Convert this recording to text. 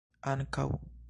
ankaŭ